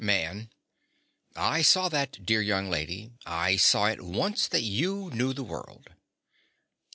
MAN. I saw that, dear young lady. I saw at once that you knew the world.